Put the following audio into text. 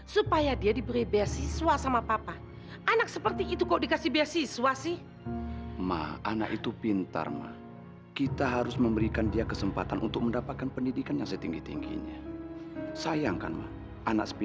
sampai jumpa di video selanjutnya